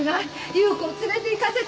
夕子を連れていかせて